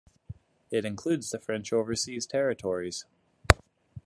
It includes the French overseas territories.